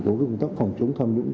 đối với công tác phòng chống tham nhũng